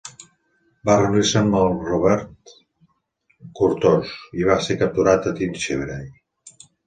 Va reunir-se amb Robert Curthose i va ser capturat a Tinchebrai.